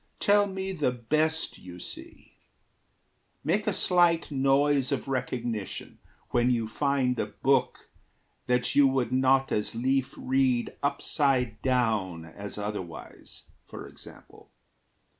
Tell me the best you see. Make a slight noise Of recognition when you find a book That you would not as lief read upside down As otherwise, for example.